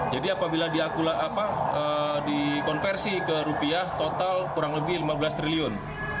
jadi apabila diakulah apa dikonversi ke rupiah total kurang lebih lima belas triliun